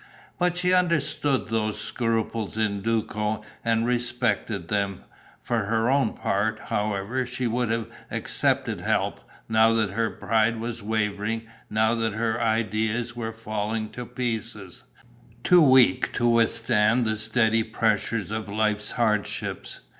But she understood those scruples in Duco and respected them. For her own part, however, she would have accepted help, now that her pride was wavering, now that her ideas were falling to pieces, too weak to withstand the steady pressure of life's hardships.